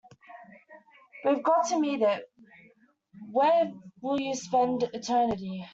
You've got to meet it, where will you spend Eternity?